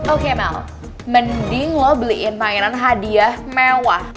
oke mel mending lo beliin pangeran hadiah mewah